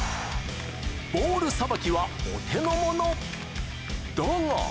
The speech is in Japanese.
ボールさばきはお手のもの。だが。